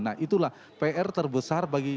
nah itulah pr terbesar bahwa golkar